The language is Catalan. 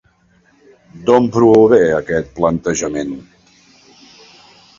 D'on prové aquest plantejament?